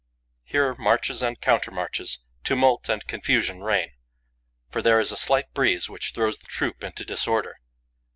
Here, marches and countermarches, tumult and confusion reign, for there is a slight breeze which throws the troop into disorder.